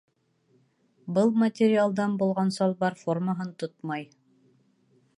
Был материалдан булған салбар формаһын тотмай